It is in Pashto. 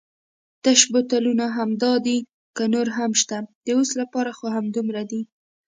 تش بوتلونه همدای دي که نور هم شته؟ د اوس لپاره خو همدومره دي.